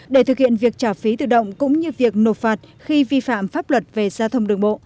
để thực hiện việc trả phí tự động cũng như việc nộp phạt khi vi phạm pháp luật về giao thông đường bộ